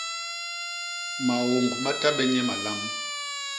Maôñg ma ta bé nye malam.